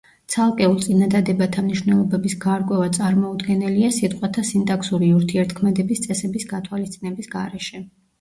ცალკეულ წინადადებათა მნიშვნელობების გარკვევა წარმოუდგენელია სიტყვათა სინტაქსური ურთიერთქმედების წესების გათვალისწინების გარეშე.